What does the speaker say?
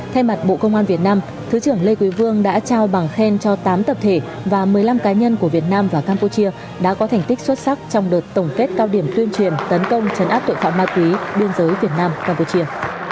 thay mặt bộ công an việt nam thứ trưởng lê quý vương đã trao bằng khen cho tám tập thể và một mươi năm cá nhân của việt nam và campuchia đã có thành tích xuất sắc trong đợt tổng kết cao điểm tuyên truyền tấn công chấn áp tội phạm ma túy biên giới việt nam campuchia